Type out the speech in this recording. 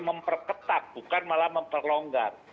memperketak bukan malah memperlonggar